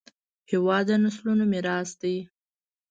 هېواد د نسلونو میراث دی.